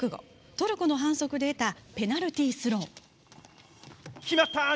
トルコの反則で得たペナルティースロー。